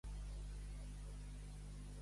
De la pila.